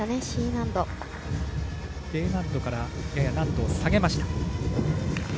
Ｄ難度からやや難度を下げました。